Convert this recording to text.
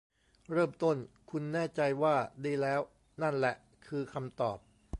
เริ่มต้นคุณแน่ใจว่าดีแล้ว นั่นแหละคือคำตอบ